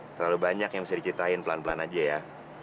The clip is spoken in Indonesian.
terlalu banyak yang bisa diceritain pelan pelan aja ya